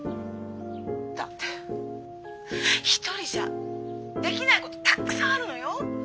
だって一人じゃできないことたくさんあるのよ。